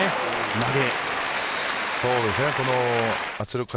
投げ。